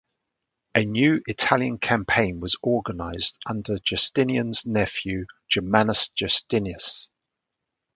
A new Italian campaign was organized under Justinian's nephew Germanus Justinus.